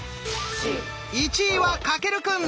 １位は翔くん。